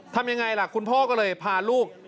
ทำยังไงล่ะคุณพ่อก็เลยพาลูก